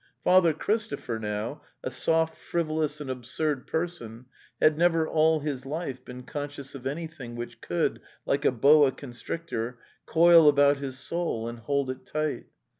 .. Father Christopher, now, a soft, frivolous and absurd person, had never all his life been conscious of anything which could, like a boa constrictor, coil about his soul and hold it tight.